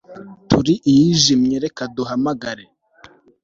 turi iyijimye reka duhamagare